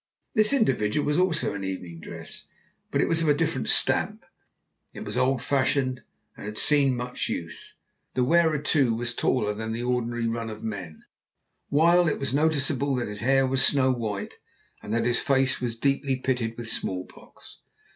This individual was also in evening dress, but it was of a different stamp. It was old fashioned and had seen much use. The wearer, too, was taller than the ordinary run of men, while it was noticeable that his hair was snow white, and that his face was deeply pitted with smallpox.